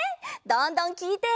どんどんきいて！